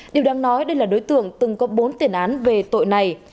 điều đáng nói đây là đối tượng từng có bốn tiền án về tội này